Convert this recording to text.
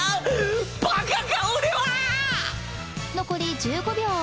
残り１５秒。